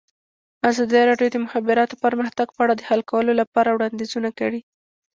ازادي راډیو د د مخابراتو پرمختګ په اړه د حل کولو لپاره وړاندیزونه کړي.